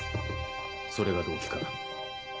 それが動機か？